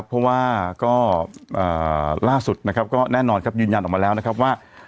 เพราะว่าก็ยืนยันออกมาแล้วว่า